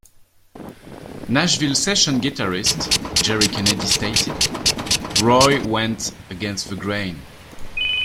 Nashville session guitarist Jerry Kennedy stated, Roy went against the grain.